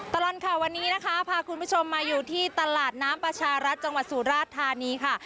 ตลอดข่าววันนี้นะคะพาคุณผู้ชมมาอยู่ที่ตลาดน้ำประชารัฐจังหวัดสุราชธานีค่ะ